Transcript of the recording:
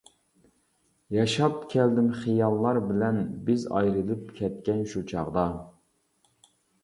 ياشاپ كەلدىم خىياللار بىلەن، بىز ئايرىلىپ كەتكەن شۇ چاغدا.